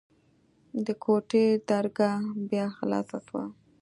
د کوټې درګاه بيا خلاصه سوه.